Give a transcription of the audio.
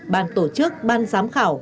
ban tổ chức ban giám khảo